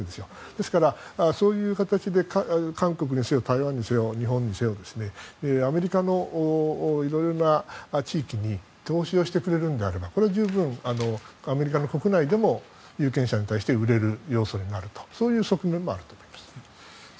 ですから、そういう形で韓国にせよ台湾にせよ日本にせよアメリカのいろいろな地域に投資をしてくれるんであれば十分、アメリカの国内でも有権者に対して売れる要素になるという側面もあると思います。